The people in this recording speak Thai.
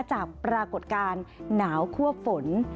จากปรากฏการณ์หนาวคั่วฝน